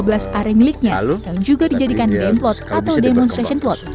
tawah dua belas are miliknya juga dijadikan demplot atau demonstration plot